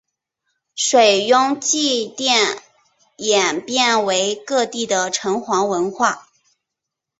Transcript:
水庸祭祀演变为各地的城隍文化。